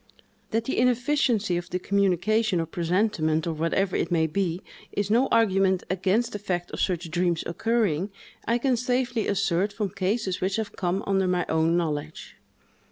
That the inefficiency of the communication, or presentiment, or whatever it may be, is no argument against the fact of such dreams occurring, I can safely assert, from cases which have come under my own knowledge.